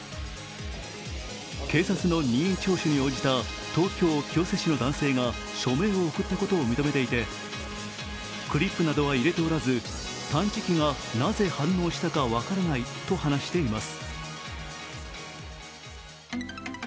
警察の任意聴取に応じた東京・清瀬市の男性が署名を送ったことを認めていて、クリップなどは入れておらず探知機がなぜ反応したか分からないと話しています。